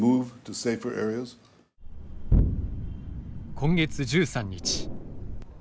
今月１３日。